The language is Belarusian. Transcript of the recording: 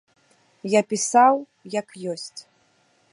Я пісаў, як ёсць.